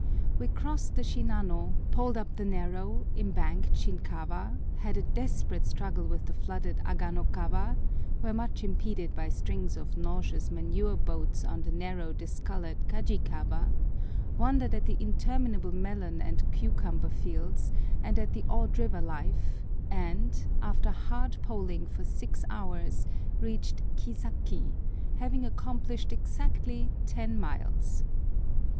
We crossed the Shinano, poled up the narrow, embanked Shinkawa, had a desperate struggle with the flooded Aganokawa, were much impeded by strings of nauseous manure boats on the narrow, discoloured Kajikawa, wondered at the interminable melon and cucumber fields, and at the odd river life, and, after hard poling for six hours, reached Kisaki, having accomplished exactly ten miles.